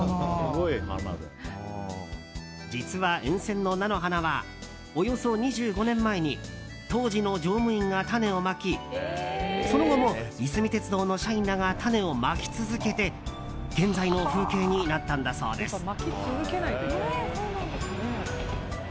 実は、沿線の菜の花はおよそ２５年前に当時の乗務員が種をまきその後も、いすみ鉄道の社員らが種をまき続けて現在の風景になったんだそうです。